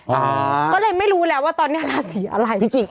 ก็เลยไม่รู้แล้วว่าตอนนี้ราศีอะไร